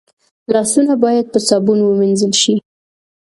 لاسونه باید په صابون ومینځل شي